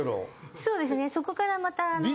そうですねそこからまた。